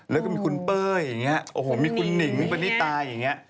แล้วก็มีคุณเป้ออย่างนี้มีคุณหนิงเป็นนี่ตายอย่างนี้